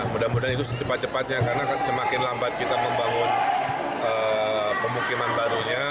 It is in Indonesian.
mudah mudahan itu secepat cepatnya karena semakin lambat kita membangun pemukiman barunya